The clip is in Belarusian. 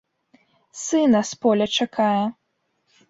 Сына з поля чакае.